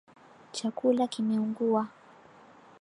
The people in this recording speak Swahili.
Chakula kimeungua.